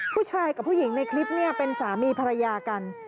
ผู้ชายกับผู้หญิงในคลิปเนี่ยเป็นสามีภรรยากัน